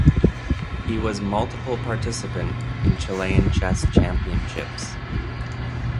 He was multiple participant in Chilean Chess Championships.